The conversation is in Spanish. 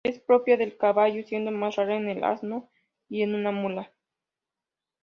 Es propia del caballo, siendo más rara en el asno y en la mula.